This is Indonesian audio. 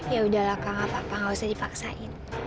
yaudah lah kak gak apa apa gak usah dipaksain